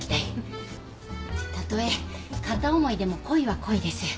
たとえ片思いでも恋は恋です。